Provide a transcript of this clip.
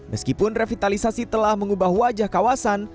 meskipun revitalisasi telah mengubah wajah kawasan